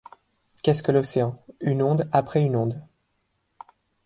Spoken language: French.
Qu’est-ce que l’océan ? une onde après une onde ;